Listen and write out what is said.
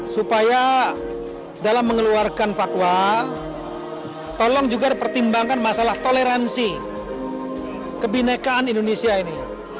supaya dalam mengeluarkan fatwa tolong juga dipertimbangkan masalah toleransi kebinekaan indonesia ini